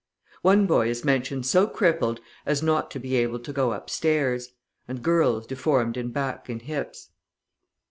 One boy is mentioned so crippled as not to be able to go upstairs, and girls deformed in back and hips.